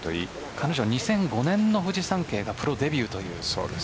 彼女は２００５年のフジサンケイがプロデビューという。